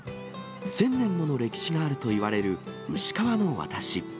１０００年もの歴史があるといわれる、牛川の渡し。